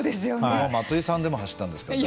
松井さんでも走ったんですから。